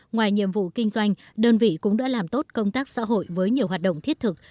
ngoài nhiệm vụ kinh doanh đơn vị cũng đã làm tốt công tác xã hội với nhiều hoạt động thiết thực